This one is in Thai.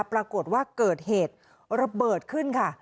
ปรากฏว่าเกิดเหตุระเบิดขึ้นค่ะ